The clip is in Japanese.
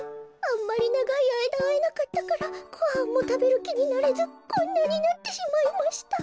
あんまりながいあいだあえなかったからごはんもたべるきになれずこんなになってしまいました。